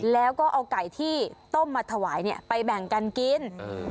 แล้วก็เอาไก่ที่ต้มมาถวายไปแบ่งกันกิน